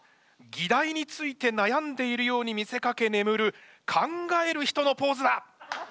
議題についてなやんでいるように見せかけ眠る考える人のポーズだ！